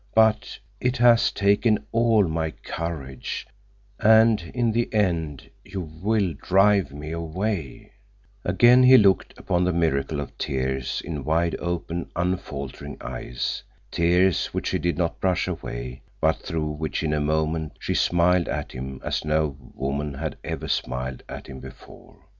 But it has taken all my courage—and in the end you will drive me away—" Again he looked upon the miracle of tears in wide open, unfaltering eyes, tears which she did not brush away, but through which, in a moment, she smiled at him as no woman had ever smiled at him before.